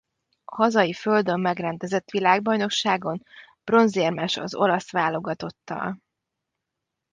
A hazai földön megrendezett Világbajnokságon bronzérmes az olasz válogatottal.